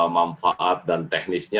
manfaat dan teknisnya